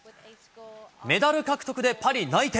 メダル獲得でパリ内定。